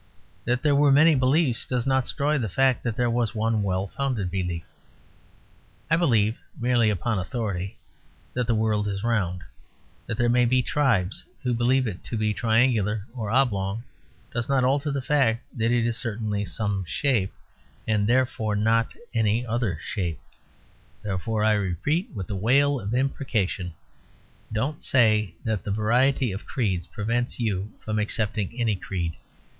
That there were many beliefs does not destroy the fact that there was one well founded belief. I believe (merely upon authority) that the world is round. That there may be tribes who believe it to be triangular or oblong does not alter the fact that it is certainly some shape, and therefore not any other shape. Therefore I repeat, with the wail of imprecation, don't say that the variety of creeds prevents you from accepting any creed.